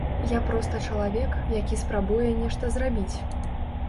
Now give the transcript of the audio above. Я проста чалавек, які спрабуе нешта зрабіць.